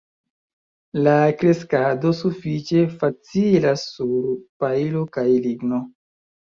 La kreskado sufiĉe facilas sur pajlo kaj ligno.